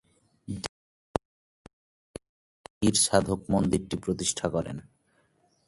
দ্বিজ রামপ্রসাদ নামের একজন বীর সাধক মন্দিরটি প্রতিষ্ঠা করেন।